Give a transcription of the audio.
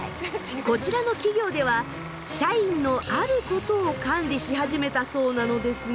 こちらの企業では社員の「あること」を管理し始めたそうなのですが。